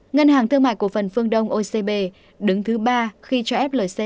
ngân hàng thương mại cổ phần phương đông ocb đứng thứ ba khi cho flc